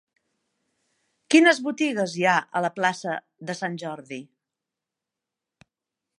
Quines botigues hi ha a la plaça de Sant Jordi?